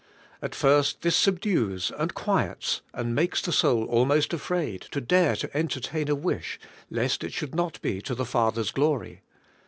At first this subdues, and quiets, and makes the soul almost afraid to dare entertain a wish, lest it should not be to the Father's glory.